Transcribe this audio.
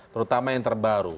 terutama yang terbaru